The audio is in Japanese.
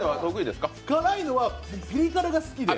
辛いのはピリ辛が好きで。